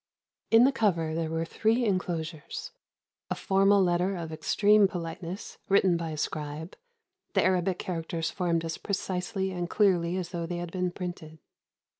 In the cover there were three enclosures: a formal letter of extreme politeness, written by a scribe, the Arabic characters formed as precisely and clearly as though they had been printed.